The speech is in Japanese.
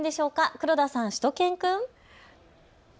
黒田さん、しゅと犬くん。